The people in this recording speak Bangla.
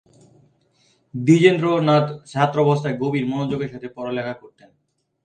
দ্বিজেন্দ্রনাথ ছাত্রাবস্থায় গভীর মনোযোগের সাথে লেখাপড়া করতেন।